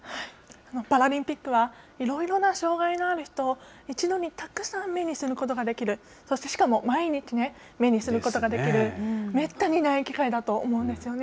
パラリンピックはいろいろな障害のある人を一度にたくさん目にすることができる、そしてしかも毎日ね、目にすることができる、めったにない機会だと思うんですよね。